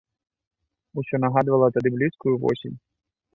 Усё нагадвала тады блізкую восень.